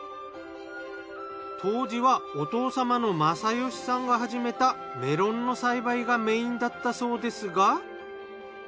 当時はお父様の政義さんが始めたメロンの栽培がメインだったそうですが。